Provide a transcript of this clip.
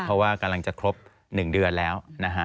เพราะว่ากำลังจะครบ๑เดือนแล้วนะฮะ